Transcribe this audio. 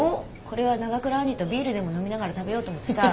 これは長倉兄とビールでも飲みながら食べようと思ってさ。